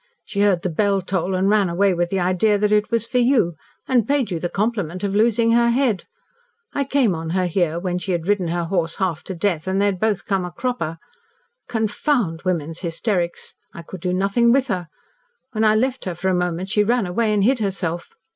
She heard the bell toll and ran away with the idea that it was for you, and paid you the compliment of losing her head. I came on her here when she had ridden her horse half to death and they had both come a cropper. Confound women's hysterics! I could do nothing with her. When I left her for a moment she ran away and hid herself.